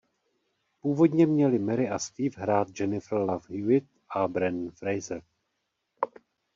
Původně měli Mary a Steve hrát Jennifer Love Hewitt a Brendan Fraser.